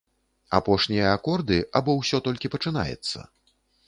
Апошнія акорды або ўсё толькі пачынаецца?